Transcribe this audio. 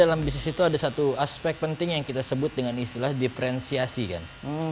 dalam bisnis itu ada satu aspek penting yang kita sebut dengan istilah diferensiasi kan